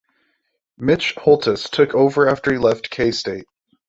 Mitch Holthus took over after he left K-State.